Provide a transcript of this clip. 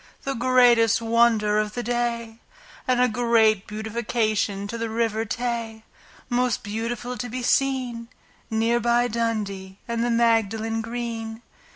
The greatest wonder of the day, And a great beautification to the River Tay, Most beautiful to be seen, Near by Dundee and the Magdalen Green.